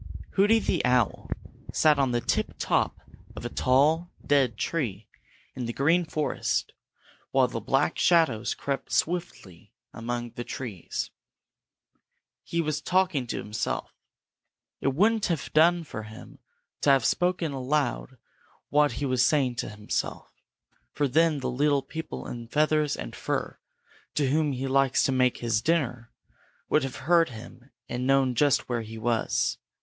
Hooty the owl sat on the tip top of a tall dead tree in the Green Forest while the Black Shadows crept swiftly among the trees. He was talking to himself. It wouldn't have done for him to have spoken aloud what he was saying to himself, for then the little people in feathers and fur on whom he likes to make his dinner would have heard him and known just where he was.